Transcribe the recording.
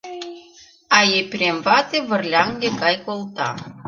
А Епрем вате вырляҥге гай колта.